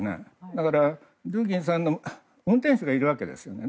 だからドゥーギンさんには運転手がいるわけですよね。